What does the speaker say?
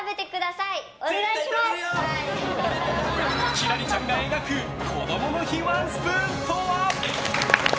輝星ちゃんが描くこどもの日ワンスプーンとは？